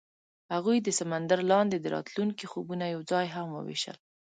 هغوی د سمندر لاندې د راتلونکي خوبونه یوځای هم وویشل.